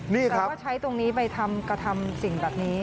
แต่ว่าใช้ตรงนี้ไปทำกระทำสิ่งแบบนี้